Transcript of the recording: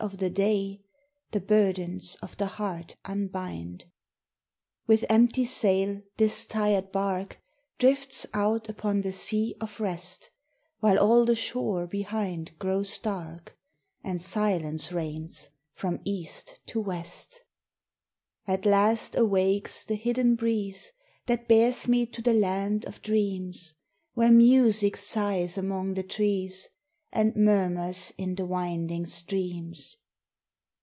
of tin day, The burdens of the hear! unbind. With eiupt\ sail this tired bai Drifts out iipou the While ;ill the shore llk And silenci 438 POEMS OF SENTIMENT. At last awakes the hidden breeze That bears me to the land of dreams, Where music sighs among the trees And murmurs in the winding streams.